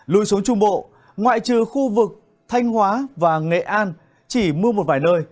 lùi xuống trung bộ ngoại trừ khu vực thanh hóa và nghệ an chỉ mưa một vài nơi